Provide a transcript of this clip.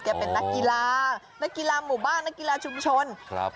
เป็นนักกีฬานักกีฬาหมู่บ้านนักกีฬาชุมชนครับ